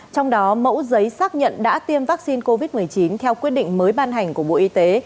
trong đó mẫu giấy xác nhận đã tiêm vaccine covid một mươi chín theo quyết định mới ban hành của bộ y tế